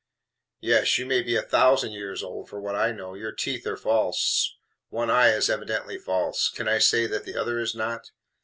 Yes, you may be a thousand years old for what I know. Your teeth are false. One eye is evidently false. Can I say that the other is not?